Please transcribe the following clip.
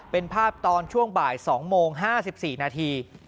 เป็นภาพตอนช่วงบ่าย๒โมง๕๔นาที